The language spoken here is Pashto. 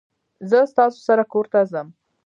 زه ستاسو سره کورته ځم